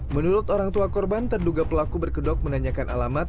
menurut orang tua korban terduga pelaku berkedok menanyakan alamat